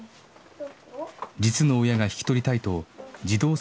実の親が引き取りたいと児童相談所に連絡